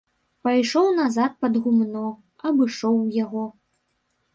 Пайшоў назад пад гумно, абышоў яго.